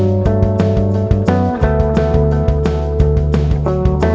apa ambil obatnya dulu sebentar